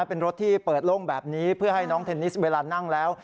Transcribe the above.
เป็นรถที่เปิดโล่งแบบนี้เพื่อให้น้องเทนนิสเวลานั่งแล้ว